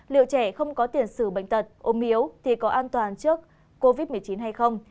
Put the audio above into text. liệu trẻ không có tiền xử bệnh tật ôm hiếu thì có an toàn trước covid một mươi chín hay không